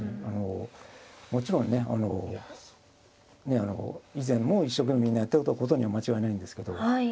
もちろんね以前も一生懸命みんなやってたことには間違いないんですけど。